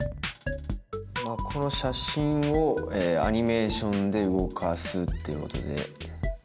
この写真をえアニメーションで動かすっていうことで。